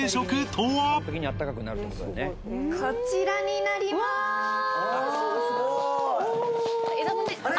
こちらになりまーす・わあ